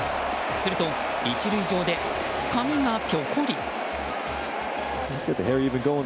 すると１塁上で髪がぴょこり。